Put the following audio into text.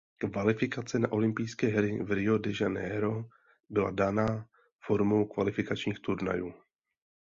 Kvalifikace na olympijské hry v Rio de Janeiro byla dána formou kvalifikačních turnajů.